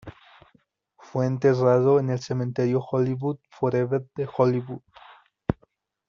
Fue enterrado en el Cementerio Hollywood Forever de Hollywood.